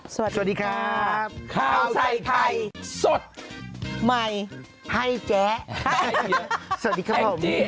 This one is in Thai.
สวัสดีครับข้าวใส่ไข่สดใหม่ให้แจ๊สวัสดีครับผม